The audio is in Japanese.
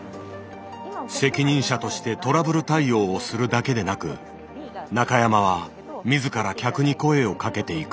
責任者としてトラブル対応をするだけでなく中山は自ら客に声をかけていく。